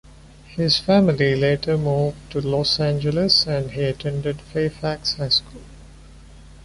His family later moved to Los Angeles and he attended Fairfax High School.